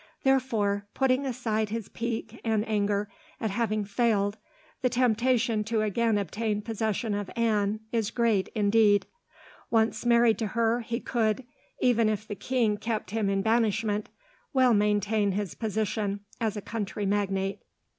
Therefore, putting aside his pique and anger at having failed, the temptation to again obtain possession of Anne is great, indeed. Once married to her he could, even if the king kept him in banishment, well maintain his position as a country magnate."